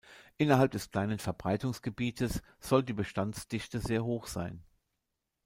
Innerhalb des kleinen Verbreitungsgebietes soll die Bestandsdichte sehr hoch sein.